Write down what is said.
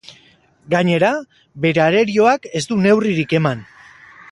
Gainera, bere arerioak ez du neurririk eman.